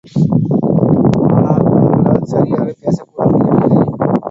ஆனால், அவர்களால் சரியாகப் பேசக்கூட முடியவில்லை.